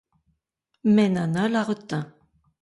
Mais Nana la retint.